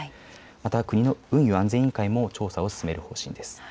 また国の運輸安全委員会も調査を進める方針です。